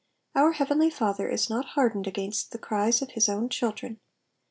Our heavenly Father is not hardened against the cries of his own children.